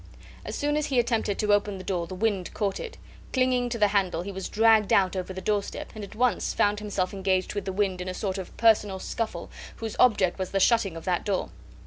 As soon as he attempted to open the door the wind caught it. Clinging to the handle, he was dragged out over the doorstep, and at once found himself engaged with the wind in a sort of personal scuffle whose object was the shutting of that door.